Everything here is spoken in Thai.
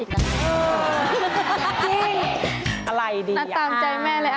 จริง